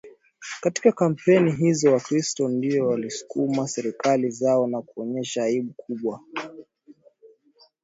Katika kampeni hizo Wakristo ndio waliosukuma serikali zao na kuonyesha aibu kubwa